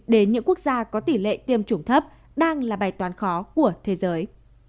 đến những quốc gia có tỷ lệ tiêm chủng thấp đang là bài toán khó của thế giới